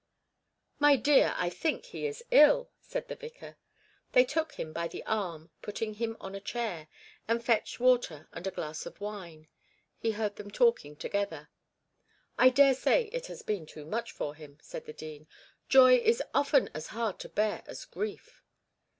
'My dear, I think he is ill,' said the vicar. They took him by the arm, putting him on a chair, and fetched water and a glass of wine. He heard them talking together. 'I daresay it has been too much for him,' said the dean. 'Joy is often as hard to bear as grief.'